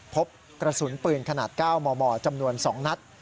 พบกระสุนปืนขนาด๙มมจำนวน๒นัด